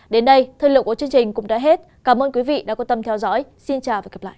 đến đây thời lượng của chương trình cũng đã hết cảm ơn quý vị đã quan tâm theo dõi xin chào và hẹn gặp lại